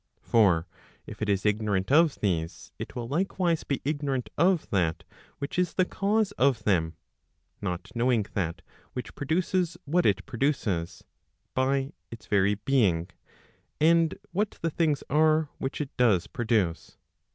For if it is ignorant of these, it will likewise be ignorant of that which is the cause of them; not knowing that which produces what it produces, by its very being, and what the things are which it does produce.